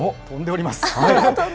跳んでおります。